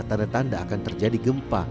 tanda tanda akan terjadi gempa